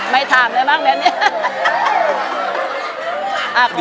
ไม่ถามเลยมากเนี่ย